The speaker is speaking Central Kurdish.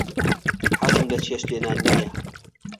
حەزم لە چێشت لێنان نییە.